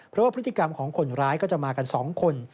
เพราะว่าพฤติกรรมของคนร้ายก็จะมากัน๒คน